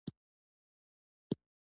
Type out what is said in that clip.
د اغیزمن ټیم جوړولو لپاره